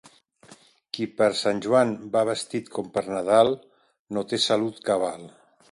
Qui per Sant Joan va vestit com per Nadal, no té salut cabal.